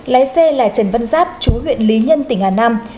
lái xe là trần văn giáp chú huyện lý nhân tỉnh hà nam